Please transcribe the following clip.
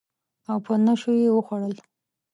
او په نشو یې وخوړل